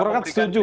fem kan setuju